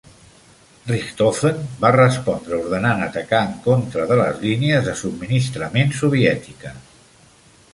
Richthofen va respondre ordenant atacar en contra de les línies de subministrament soviètiques.